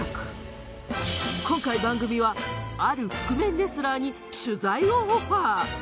今回番組はある覆面レスラーに取材をオファー。